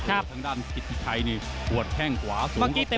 ทางด้านกิดพี่ชัยนี่หัวแท่งขวาสูงกว่า๖มือ